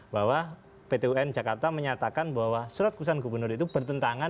bahwa pt un jakarta menyatakan bahwa surat keputusan gubernur itu bertentangan